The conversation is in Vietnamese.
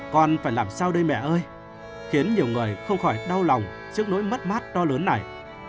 còn phải làm sao đây mẹ ơi khiến nhiều người không khỏi đau lòng trước nỗi mất mát to lớn này